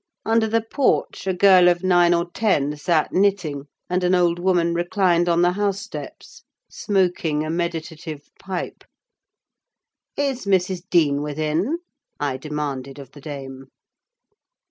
Under the porch, a girl of nine or ten sat knitting, and an old woman reclined on the housesteps, smoking a meditative pipe. "Is Mrs. Dean within?" I demanded of the dame.